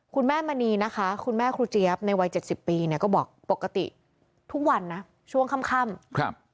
คุณแม่มณีนะคะคุณแม่ครูเจี๊ยบในวัย๗๐ปีก็บอกปกติทุกวันนะช่วงค่ำ